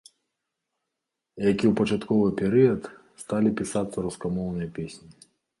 Як і ў пачатковы перыяд, сталі пісацца рускамоўныя песні.